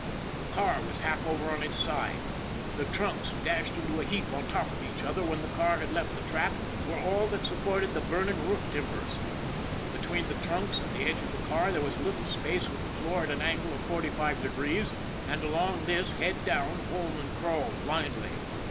The car was half over on its side. The trunks, dashed into a heap on top of each other when the car had left the track, were all that supported the burning roof timbers. Between the trunks and the edge of the car there was a little space with the floor at an angle of forty five degrees, and along this, head down, Hol man crawled blindly.